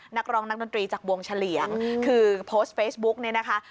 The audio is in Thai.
นักร้องนักดนตรีจากวงเฉลี่ยงคือโพสต์เฟซบุ๊กเนี่ยนะคะ